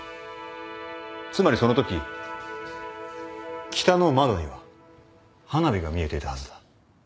つまりそのとき北の窓には花火が見えていたはずだ。